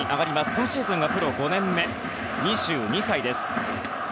今シーズン、プロ５年目の２２歳です。